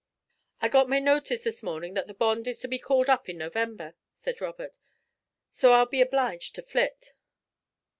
'I got my notice this morning that the bond is to be called up in November,' said Robert. 'So I'll be obliged to flit.'